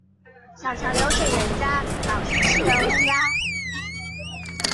小橋流水人家，老樹企鵝烏鴉